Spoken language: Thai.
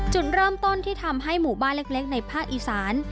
จุดเริ่มต้นที่ทำให้หมู่บ้านเล็กในภาคอีสาน